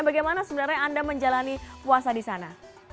bagaimana sebenarnya anda menjalani puasa di sana